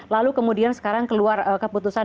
lalu kemudian sekarang keluar keputusan